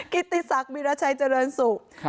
กิติศักดิราชัยเจริญสุข